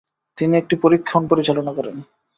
তিনি একটি পরীক্ষণ পরিচালনা করেন।